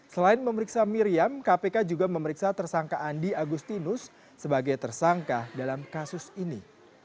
selain memeriksa miriam kpk juga memeriksa tersangka andi agustinus sebagai tersangka dalam kasus ini